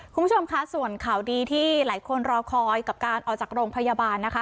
คุณผู้ชมค่ะส่วนข่าวดีที่หลายคนรอคอยกับการออกจากโรงพยาบาลนะคะ